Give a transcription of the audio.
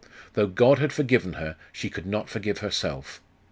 though God had forgiven her, she could not forgive herself.